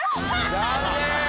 残念！